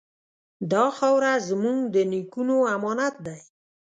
دا خاوره زموږ د نیکونو امانت دی.